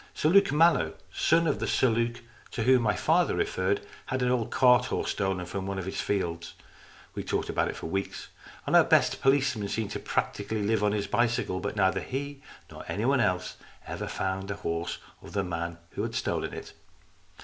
Sir Luke Mallow, son of the Sir Luke to whom my father referred, had an old cart horse stolen from one of his fields. We talked about it for weeks, and our best police man seemed practically to live on his bicycle. But neither he nor anybody else ever found the horse or the man who had stolen it.